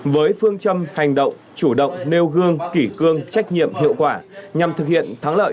với phương châm hành động chủ động nêu gương kỷ cương trách nhiệm hiệu quả nhằm thực hiện thắng lợi